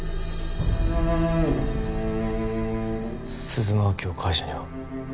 鈴間は今日会社には？